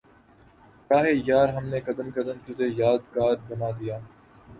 رہ یار ہم نے قدم قدم تجھے یادگار بنا دیا